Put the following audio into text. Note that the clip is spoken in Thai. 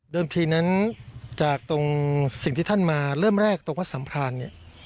ทีนั้นจากตรงสิ่งที่ท่านมาเริ่มแรกตรงวัดสัมพรานเนี่ย